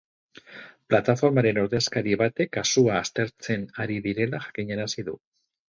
Plataformaren ordezkari batek kasua aztertzen ari direla jakinarazi du.